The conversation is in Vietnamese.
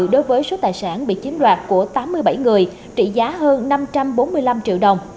đối với số tài sản bị chiếm đoạt của tám mươi bảy người trị giá hơn năm trăm bốn mươi năm triệu đồng